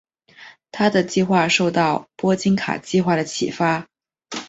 他的计划受到波金卡计划的启发。